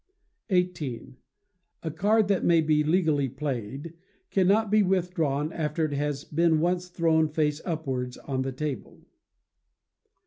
xviii. A card that may be legally played cannot be withdrawn after it has been once thrown face upwards on the table.